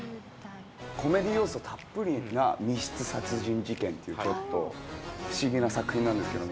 コメディー要素たっぷりな密室殺人事件っていう、ちょっと不思議な作品なんですけども。